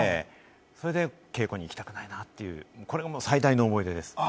それで稽古に行きたくないなって、これが最大の思い出です。